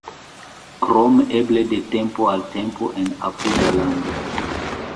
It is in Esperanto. Krom eble de tempo al tempo en apuda lando.